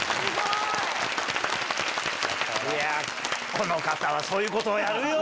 この方はそういうことをやるよ！